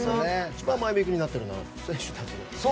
一番前向きになっているのは選手たち。